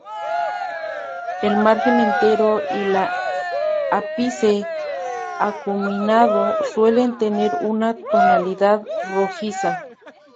El margen entero y el ápice acuminado suelen tener una tonalidad rojiza.